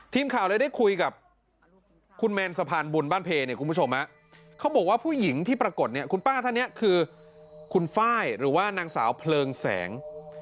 ทีมข่าวเลยได้คุยกับคุณแมนสะพานบุญบ้านเพเนี่ยคุณผู้ชมเขาบอกว่าผู้หญิงที่ปรากฏเนี่ยคุณป้าท่านนี้คือคุณไฟล์หรือว่านางสาวเพลิงแสง